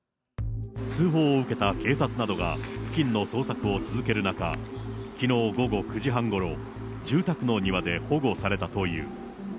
通報を受けた警察などが、付近の捜索を続ける中、きのう午後９時半ごろ、住宅の庭で保護されたという。